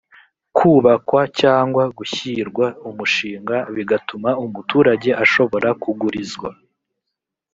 kubakwa cyangwa gushyirwa umushinga bigatuma umuturage ashobora kuugurizwa